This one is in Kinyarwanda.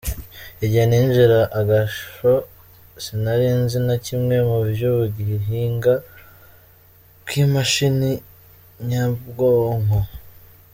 "Igihe ninjira agasho sinari nzi na kimwe mu vy'ubuhinga bw'imashini nyabwonko.